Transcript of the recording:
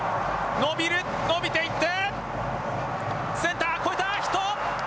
伸びていって、センター越えた！